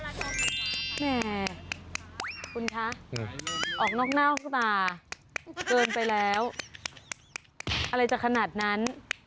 แหมคุณคะออกนอกเน่าขึ้นมาเกินไปแล้วอะไรจะขนาดนั้น